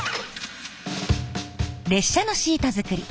列車のシート作り